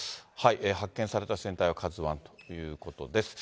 発見された船体はカズワンということです。